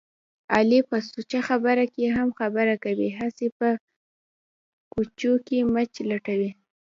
علي په سوچه خبره کې هم خبره کوي. هسې په کوچو کې مچ لټوي.